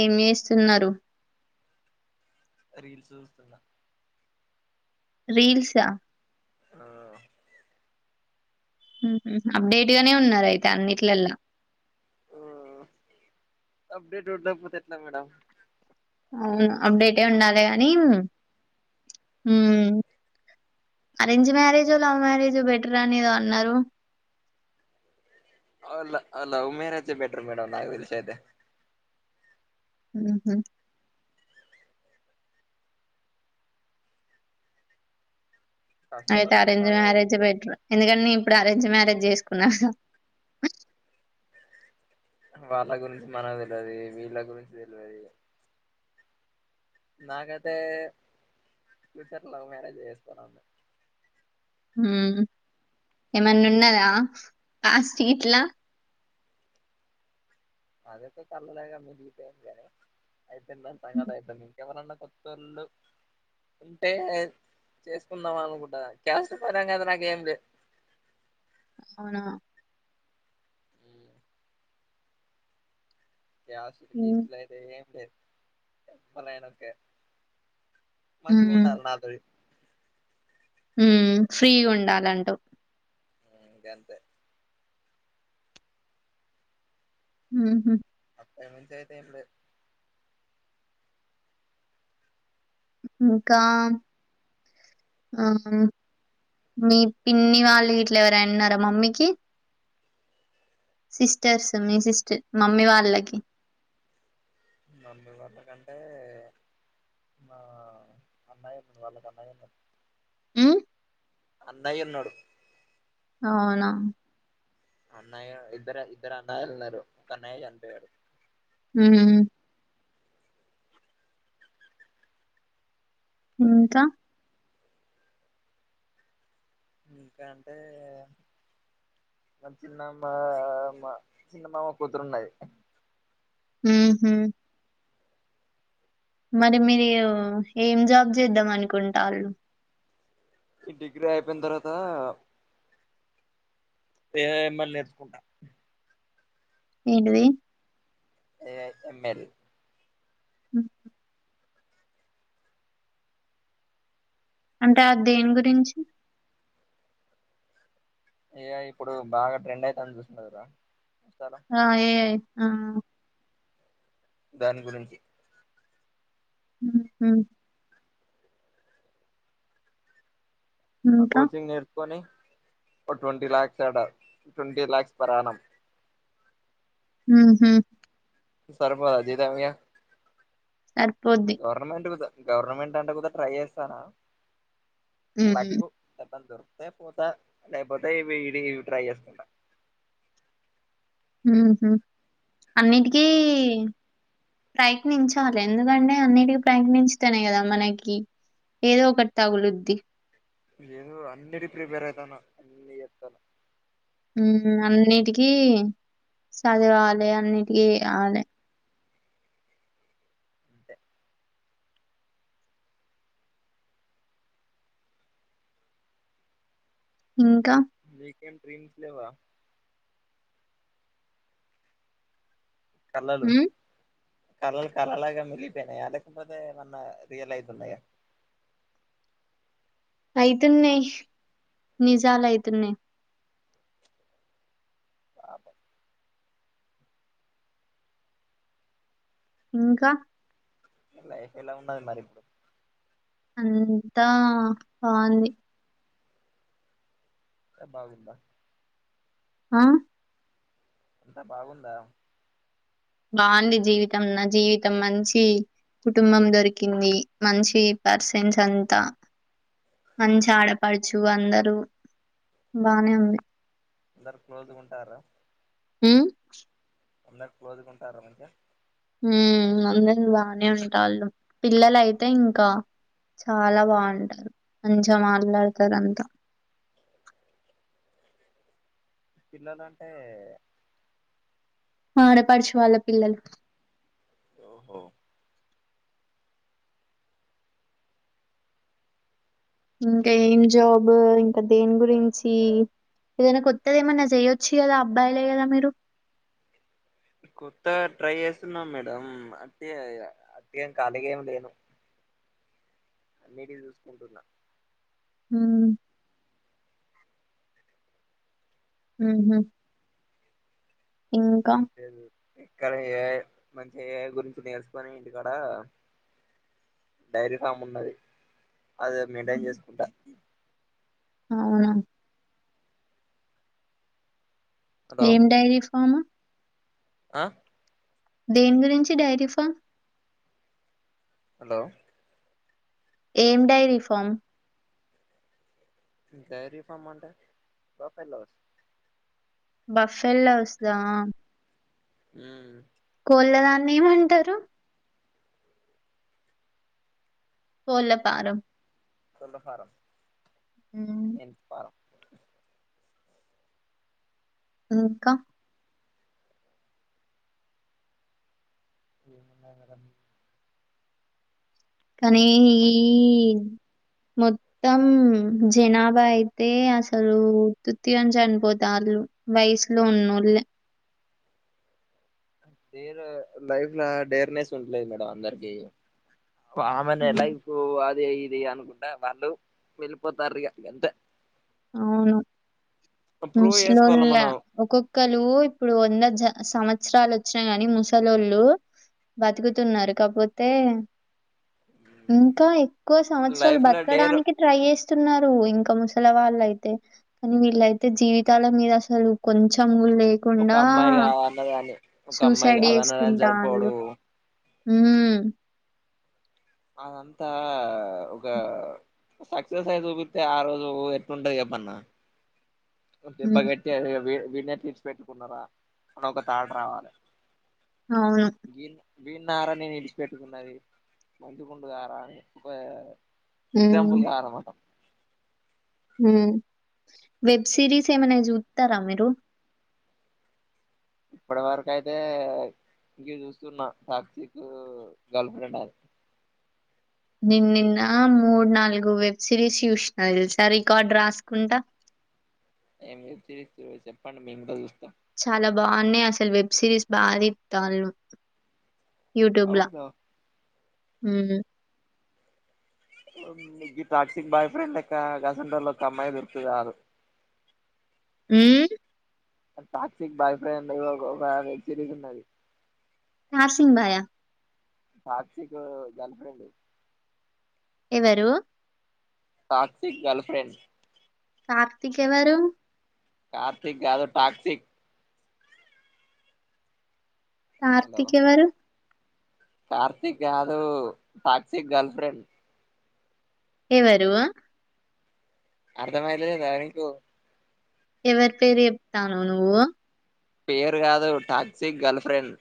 ఏం చేస్తున్నారు రీల్స్ చూస్తున్నా రీల్సా ఆ హ్మ్మ్ అప్డేట్ గానే ఉన్నారు అయితే అన్నిట్లల్లా అప్డేట్లా ఉండకపోతే ఎట్ల మేడం అవును అప్డేట్ ఉండాలి గాని arrange marriage love marriage better అనిదో అన్నారు అ లవ్ మ్యారేజ్ బెటర్ మేడమ్ నక్ లు సతే ఆహ అయితే కాకపోతే నేను అరేంజ్ అలా మ్యారేజ్ వెళితే బెటర్ ఎందుకంటే ఇప్పుడు అరేంజ్ మ్యారేజ్ చేసుకున్నా వాళ్ళ గురించి మనం తెలియదు వీళ్ళ గురించి తెలియదు నాకైతే ఫ్యూచర్ లవ్ మ్యారేజ్ చేస్తానును ఏమన్నా ఉన్నదా కాస్ట్ ఇట్లా అదేతే కలులాగా మీలీపగానే యితే న తంగట అయితా నీ ఎవరన్నా కొత్తళ్ళు ఉంటే చేసుకుందాం అనుకుంటా కాస్ట్ పరంగా అయితే నాకేం లే అవునా క్యాసిటు ఉమ్ గీస్టులు అయితే ఏం లే చెప్పాలేన్ ఒకే మంచిగా ఉండాలి నాతో ఉ ఫ్రీగా ఉండాలంటూ ఇదేంతే హ అప్ప మయితడి ఇంకా ఆ మీ పిన్ని వాళ్ళు ఇట్లా ఎవరైన్నారా మమ్మీకి సిస్టర్స్ మీ సిస్టర్ మమ్మీ వాళ్ళకి నన్ను గొటకన్నంటే మా అన్నయప్పడి వాళ్ళకు అన్నయ హ్మ్ అన్నయి ఉన్నాడు అవునా అన్నయ్య ఇద్దరు ఇద్దరు అన్నయలున్నారు. ఒక అన్నయ్య చనిపోయారు. మ్మ్ హ్మ్ ఇంకా ఇంకా అంటే మా చిన్నమ్మ మా చిన్నమామ కూతురున్నది హ్మ్ హు మరి మీరు ఏం జాబ్ చేద్దాం అనుకుంటళ్లు డిగ్రీ అయిపోయిన తర్వాత ఏ మ్ ల్ నేర్చుకుంటా ఏంటది ఏ ఎంమెల్ మ్మ్ హ్మ్ అంటే అద్ దేని గురించి ఏ ఐ ఇప్పుడు బాగా ట్రెండ్ ఐతది చూస్నారా ఆ ఏయి ఆ దాని గురించి హ ఆ ఇంకా కోచింగ్ నేర్చుకొని ట్వంటీ లాక్స్ అడా ట్వంటీ లాక్స్ పర్ యాణం ఊహు సర్పరాజిదమ్య అర్ గవర్నమెట్ విధ గవర్నమెంట్ అంట కూడా ట్రై చేస్తానా ఉమ్ లకు చెప్పొద్దు ఇంతా లేకపోతే ఇవి ఇడి ఇ ట్రై చేసుకుంటా ఊహు అన్నిటికీ ప్రయత్నించాలి ఎందుకంటే అన్నిటికిీ ప్రయత్నించితేనే కదా మనకి ఏదో ఒకటి తగులుద్ది హా అన్నిటికి ప్రిపేర్ అయితనా అన్ని ఎస్తాను ఉ అన్నిటికీ చదువాలె అన్నిటికిీ అవాలి అంతే ఇంక మీకెం డ్రీమ్స్ లేవా తల్లలు హ్మ్. కళలు కరళగా మిగిలిపోయినయ లేకపోతే మన్న రియల్ఐ ఉన్నాయ అయితున్నయి నిజాలు అయితున్నయి బాబ్ ఇంక లైఫ్ ఎలా ఉండది మరి ఇప్పుడు అంతా బావుంది అంత బాగుందా అ అంతా బాగుందా బాగుంది జీవితం నా జీవితం మంచి కుటుంబం దొరికింది మంచి పర్సెన్స్ అంతా మన్చాడ పడుచు అందరు డు బానే ఉంది అందరు క్లోజ్ గ ఉంటారు హుమ్ అందరు క్లోజ్గ ఉంటారు అండి ఉమ్ అందరు బానే ఉంటాళ్ళు పిల్లలు అయితే ఇంకా చాలా బాగుంటారు మంచిగా మాట్లాడతారు అంతా పిల్లలంటే ఆడపడుచు వాళ్ళ పిల్లలు ఒహో ఇకా ఏం జాబ్ ఇంకా దేని గురించి ఏదైన కొత్తది ఏమన్నా చెయొచ్చు కదా అబ్బాయిలే కదా మీరు కొత్త ట్రై చేస్తున్నాం మేడం అంత అట్ అట్గాం కాలీగా ఏం లేను అన్నిటికి చూసుకుంటున్నా ఉవ్ ఊహు ఏం పేలు ఇక్కడ ఏ మంచిగ ఏ ఐ గురించి నేర్చుకొని ఇంటికాడ డైరీ ఫామ్ ఉన్నది అది మీట ఏం చేసుకుంటా అవున హలో ఏం డైరి ఫామ్ ఆ దేని గురించి డైరీ ఫామ్ హలో ఏమ్ డైరి ఫమ్ రీ ఫ మంట బ పల వ బఫెల్ హస్ దా ఉ ములదాన్ని మంటారు పోలపారం కొల్ ఫారంమ్ హ్మ్. ఎ పారం ఇంకా ఏన్నా మడం కానీ ఈ మొత్తం జనాభా అయితే అసలు తృతగాం చనిపోత వాళ్ళు వయసులో ఉన్నోళ్ళ డేర్ లైఫ్ లో డేర్నెస్ ఉంటలేదు మేడం అందరికి ఆ హ్మ్. మనేలైఫ ఇద ఇది అనుకుంటడా వాళ్ళు వెళ్ళిపోతారు ఇక ఎంత అవును ప్రూవ్ చేసుకోవాల ముస్లిల మనం ఒక్కొక్కళ ఇప్పుడు వంద జ సంవత్సరాలు వచ్చినా ని ముసలళ్ళు బతుకుతున్నారు కాకపోతే ఇంకా ఎక్కువ సంవత్సరాలు లైఫ్ లో డేర్ బతకడానికి ట్రై చేస్తున్నారు ఇంకా ము సలవా యితే కానీ వీళ్ళయితే జీవితాల మీద అసలు కొంచెం కూడా ఒక లేకుండా అమ్మాయి కాదన్న కాని ఒక అమ్మాయి సూసైడ్ కాదన్నదని సడిపోడు హ అదంతా ఒక సక్సెస్ అయి చూపితే ఆ రోజు ఎట్ంటది చెప్పన్నా ఒక హ్మ్. బగట్ట వ వీన్నే తీర్చి పెెట్టుకున్నారా అనొక తాట రావాలి అవును బీన్నారని నిలిచిపెట్టుకున్నది మంచగుండడు ఆర అని ఒక ఎక్సంపుల్ హ్మ్. గా అన్నమాట వెబ్ సిరిస్ ఏమనా చూతారా మీరు ఇప్పటి వరకు అయితే ఇంక చూస్తున్న టాక్సీక్ గర్ల్ ఫ్రెండ్ అది నేను నిన్న మూడు నాలుగు వెబ్ సిరీస్ చూసిన తెలుసా రికార్డు రాసుకుంటా ఏం చుత్తూరి చెప్పండి మేం కూడా చూస్తాం చాలా బాగున్నాయి అసలు వెబ్ సిరీస్ [unintelligible] యూట్యూబ్లా అవునా మ్ నీకి టాక్సీక్ బాయ్ ఫ్రెండ్ లెక్క గసువంటోళ్ల ఒక అమ్మాయి దొరికితే చాలు మ్మ్ ఆ టాక్సిక్ బాయ్ ఫ్రెండ్ ఒక ఒక వెబ్ సిరీస్ ఉన్నది నార్సింగ్ భాయా టాక్సీక్ గర్ల్ఫ్రెండ్ ఎవరు టాక్సిక్ గర్ల్ఫ్రెండ్స్ కార్తిక్ ఎవరు కార్తిక్ కాదు టాక్సిక్ కార్తీక్ ఎవరు కార్తిక్ కాదు టాక్సిక్ గర్ల్ ఫ్రెండ్ ఎవరు అర్థమైతలేదాయే నీకు ఎవరి పేరు చెప్తనవ్ నువ్వు పేరు కాదు toxic girlfriend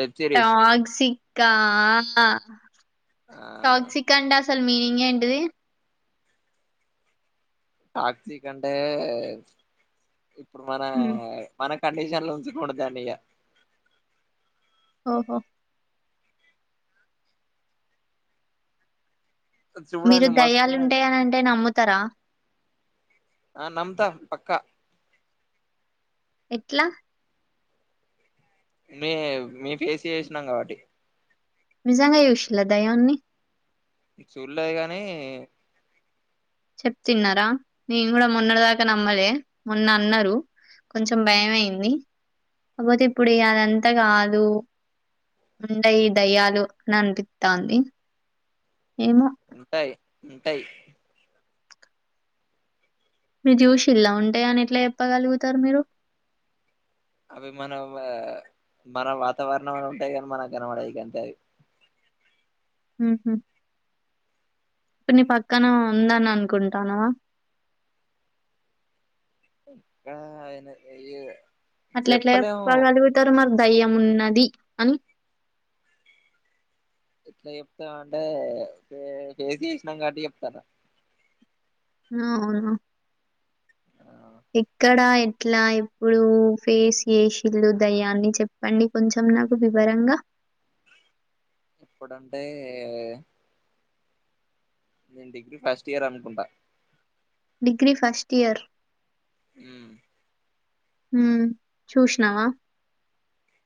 web series toxic కానా ఆ టాక్సిిక్ అండాస్ అసలు మీనింగ్ ఎంటిది టాక్సిక్ కంటే ఇప్పుడు మన హ్మ్. మనకు కండీషన్ లో ఉంచి కూడా దానిగా ఓహో మీరు చూడండి మస్తు దయ్యాలు ఉన్నది ఉంటాయని అంటే నమ్ముతారా ఆ నంత పక్కా ఎట్ల మే మేం ఫేస్ చేసినాం కాబట్టి నిజంగా చూశిల్ల దయ్యాన్ని చూడలేదు గని చెప్ తిన్నారా నేను కూడా మొన్నటి దాకా నమ్మలే మొన్న అన్నరు కొంచెం భయమయింది కాపోతే ఇప్పుడు ఇగ అదంతా కాదు ఉంటయి దయ్యాలు అని అనిపితాంది ఉంటాయి ఉంటయి మీరు చూసిల్ల ఉంటయి అని ఎట్ల చెప్పగలుగుతరు మీరు అవి మనం మన వాతావరణం ల ఉంటాయి గని మనకు కనవడయి గంతే అవి ఇప్పుడు నీ పక్కన ఉందని అనుకుంటానవా గా ఆయనే ఏయ్యు అట్ల ఎట్ల చెప్ప గలుగుతరు మరి దయ్యం ఉన్నది అని ఎట్లా చెప్తా అంటే ఫేస్ చేసినాం కాట్టి చెప్తానా అవున ఇట్లా ఎప్పుడు ఫేస్ చేసిళు దయాన్ని చెప్పండి కొంచెం నాకు వివరంగా ఎప్పుడుంటే నేను డిగ్రీ ఫస్ట్ ఇయర్ అనుకుంటా డిగ్రీ ఫస్ట్ ఇయర్ ఉ హు చూసినావా